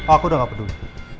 aku udah gak peduli